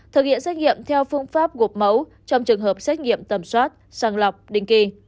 thực hiện xét nghiệm theo phương pháp gộp mẫu trong trường hợp xét nghiệm tầm soát sàng lọc định kỳ